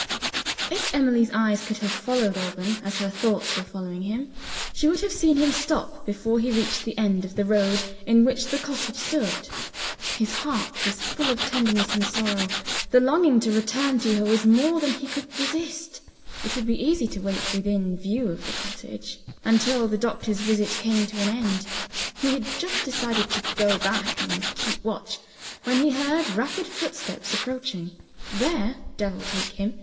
If Emily's eyes could have followed Alban as her thoughts were following him, she would have seen him stop before he reached the end of the road in which the cottage stood. His heart was full of tenderness and sorrow: the longing to return to her was more than he could resist. It would be easy to wait, within view of the gate, until the doctor's visit came to an end. He had just decided to go back and keep watch when he heard rapid footsteps approaching. There (devil take him!)